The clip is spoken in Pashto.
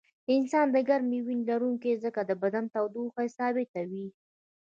انسان د ګرمې وینې لرونکی دی ځکه د بدن تودوخه یې ثابته وي